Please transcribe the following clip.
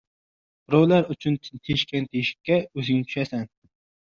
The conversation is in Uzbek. • Birovlar uchun teshgan teshikka o‘zing tushasan.